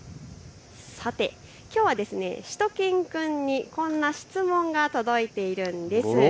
さて、きょうはしゅと犬くんにこんな質問が届いているんです。